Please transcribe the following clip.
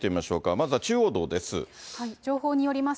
まずは中央道です。